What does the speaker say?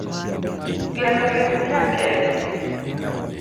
geno lep nyakeno